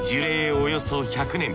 およそ１００年。